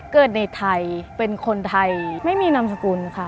ในไทยเป็นคนไทยไม่มีนามสกุลค่ะ